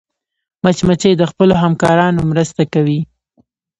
مچمچۍ د خپلو همکارانو مرسته کوي